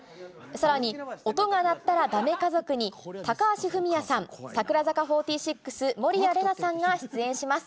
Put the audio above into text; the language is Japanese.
さらに音が鳴ったらダメ家族に、高橋文哉さん、櫻坂４６・守屋麗奈さんが出演します。